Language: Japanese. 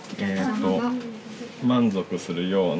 満足するような。